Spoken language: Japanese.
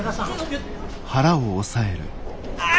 ああ！